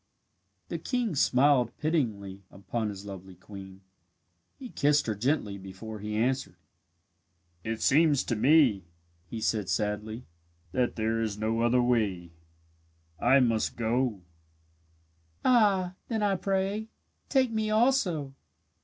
The king smiled pityingly upon his lovely queen. He kissed her gently before he answered. "It seems to me," he said, sadly, "that there is no other way. I must go." "Ah, then, I pray, take me also.